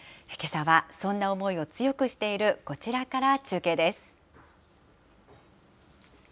けさはそんな思いを強くしているこちらから中継です。